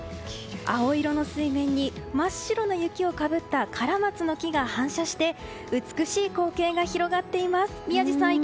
青色の水面に真っ白な雪をかぶったカラマツの木が反射して美しい光景が広がっています。